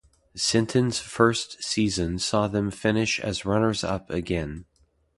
Sinton's first season saw them finish as runners-up again.